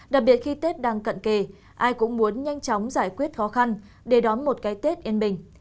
đặc biệt khi tết đang cận kề ai cũng muốn nhanh chóng giải quyết khó khăn để đón một cái tết yên bình